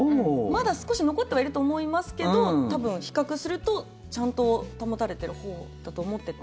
まだ少し残ってはいると思いますけど多分、比較するとちゃんと保たれてるほうだと思ってて。